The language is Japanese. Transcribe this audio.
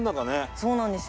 そうなんですよ